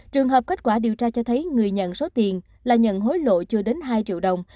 trường hợp kết quả điều tra cho thấy người nhận số tiền là nhận hối lộ chưa đến hai triệu đồng